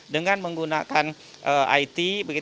dengan menggunakan it